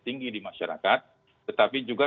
tinggi di masyarakat tetapi juga